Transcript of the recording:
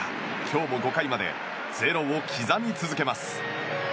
今日も５回まで０を刻み続けます。